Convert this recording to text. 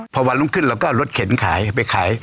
พอวันรุ่งขึ้นเราก็เอารถเข็นขายไปขาย